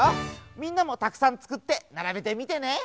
みんなもたくさんつくってならべてみてね。